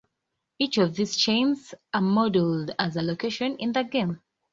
Each of these chains are modeled as a location in the game.